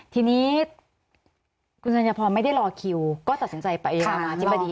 ทีนี้คุณสัญพรไม่ได้รอคิวก็ตัดสินใจไปรามาธิบดี